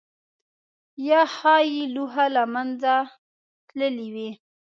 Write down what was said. یا ښايي لوحه له منځه تللې وي؟